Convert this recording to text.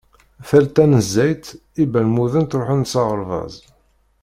Tal tanezzayt, ibalmuden ttruḥun s aɣerbaz.